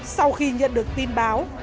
sau khi nhận được tin báo